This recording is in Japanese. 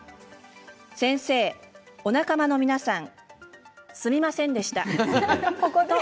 先生、お仲間の皆さんすみませんでした。